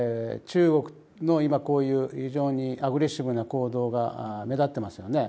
中国の今こういう非常にアグレッシブな行動が目立ってますよね